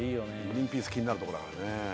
グリーンピース気になるとこだからね